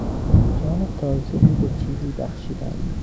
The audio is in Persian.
جان تازهای به چیزی بخشیدن